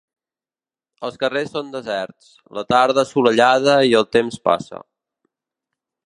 Els carrers són deserts, la tarda assolellada i el temps passa.